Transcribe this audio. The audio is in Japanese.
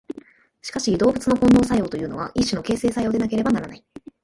しかし動物の本能作用というのは一種の形成作用でなければならない。